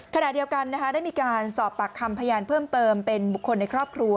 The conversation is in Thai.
ขณะเดียวกันได้มีการสอบปากคำพยานเพิ่มเติมเป็นบุคคลในครอบครัว